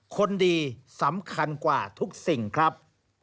คนดีสำคัญกว่าทุกสิ่งครับ